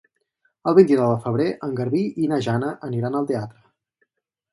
El vint-i-nou de febrer en Garbí i na Jana aniran al teatre.